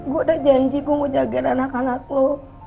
gue udah janji gue mau jaga anak anak lo